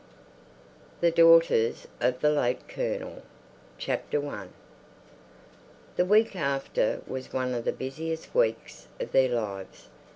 The Daughters of the Late Colonel I The week after was one of the busiest weeks of their lives.